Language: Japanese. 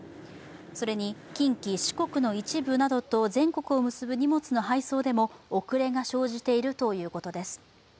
それに近畿・四国の一部などと全国を結ぶ荷物の配送でも遅れが生じているということです。